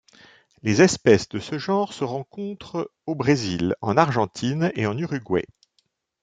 Les espèces de ce genre se rencontrent au Brésil, en Argentine et en Uruguay.